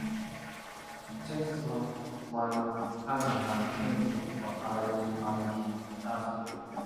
Utenzi wa Mwanakupona na Utenzi wa Al-Inkishafi